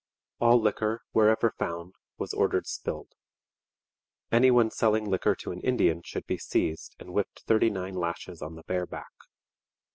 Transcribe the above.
All liquor, wherever found, was ordered spilled. Any one selling liquor to an Indian should be seized and whipped thirty nine lashes on the bare back.